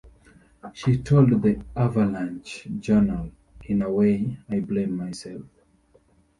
She told the "Avalanche-Journal": "In a way, I blame myself.